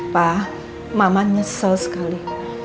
pak mama nyesel sekali